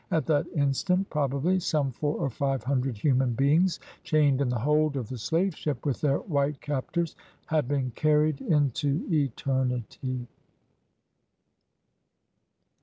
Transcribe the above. At that instant probably some four or five hundred human beings chained in the hold of the slave ship, with their white captors, had been carried into eternity.